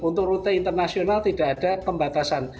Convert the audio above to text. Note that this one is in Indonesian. untuk rute internasional tidak ada pembatasan